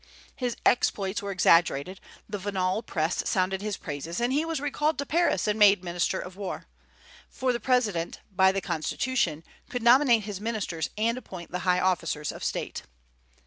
His exploits were exaggerated, the venal Press sounded his praises, and he was recalled to Paris and made minister of war; for the President by the Constitution could nominate his ministers and appoint the high officers of State.